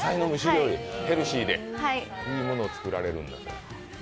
ヘルシーで、いいものを作られるんですね。